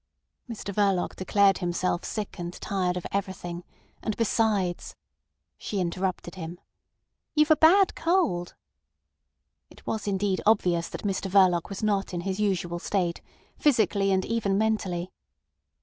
Mr Verloc declared himself sick and tired of everything, and besides—She interrupted him. "You've a bad cold." It was indeed obvious that Mr Verloc was not in his usual state, physically and even mentally.